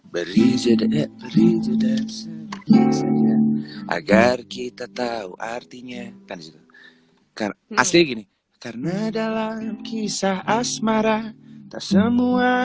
beri jadah beri jadah agar kita tahu artinya kan aslinya gini karena dalam kisah asmara tak semua